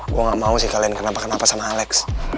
gue gak mau sih kalian kenapa kenapa sama alex